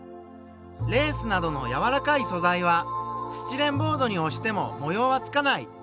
レースなどのやわらかい素材はスチレンボードにおしても模様はつかない。